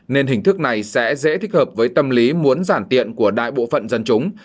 nên hình thức này sẽ dễ thích hợp với tâm lý muốn giản tiện của đại bộ phận dân chúng